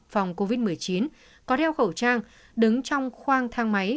phòng covid một mươi chín có đeo khẩu trang đứng trong khoang thang máy